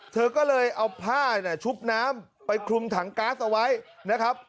เธอก็เลยเอาผ้าชุบน้ำไปคลุมถังก๊าซเอาไว้นะครับ